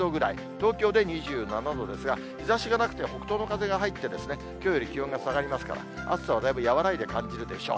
東京で２７度ですが、日ざしがなくて、北東の風が入って、きょうより気温が下がりますから、暑さはだいぶ和らいで感じるでしょう。